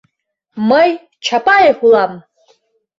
Мый — Чапаев улам!